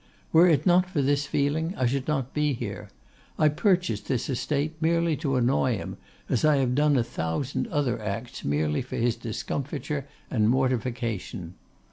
Were it not for this feeling I should not be here; I purchased this estate merely to annoy him, as I have done a thousand other acts merely for his discomfiture and mortification.